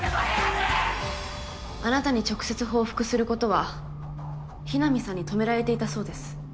あなたに直接報復することは雛見さんに止められていたそうです。